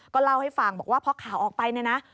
ก็เล่าให้ฟังบอกว่าพอข่าวออกไปเนี่ยนะ